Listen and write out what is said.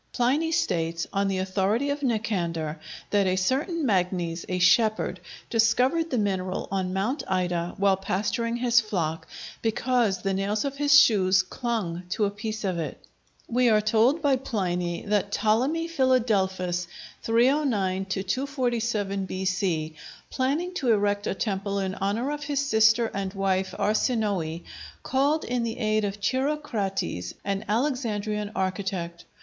Pliny states, on the authority of Nicander, that a certain Magnes, a shepherd, discovered the mineral on Mount Ida, while pasturing his flock, because the nails of his shoes clung to a piece of it. We are told by Pliny that Ptolemy Philadelphus (309 247 B.C.), planning to erect a temple in honor of his sister and wife Arsinoë, called in the aid of Chirocrates, an Alexandrian architect.